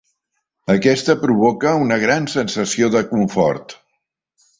Aquesta provoca una gran sensació de comfort.